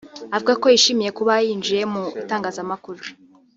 avuga ko yishimiye kuba yinjiye mu itangazamakuru